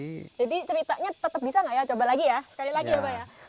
jadi ceritanya tetap bisa nggak ya coba lagi ya sekali lagi ya pak ya